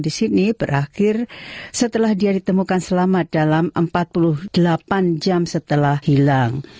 di sini berakhir setelah dia ditemukan selamat dalam empat puluh delapan jam setelah hilang